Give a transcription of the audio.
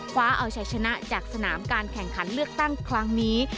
เอาชัยชนะจากสนามการแข่งขันเลือกตั้งครั้งนี้